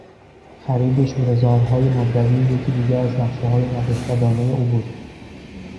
خرید شورهزارهای مردابی یکی دیگر از نقشههای نابخردانهی او بود.